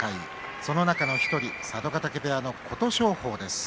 その中の１人佐渡ヶ嶽部屋の琴勝峰です。